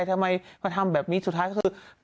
ทำไมมาทำแบบนี้สุดท้ายก็คือ